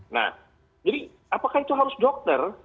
nah jadi apakah itu harus dokter